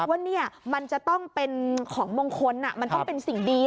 ว่าเนี่ยมันจะต้องเป็นของมงคลมันต้องเป็นสิ่งดี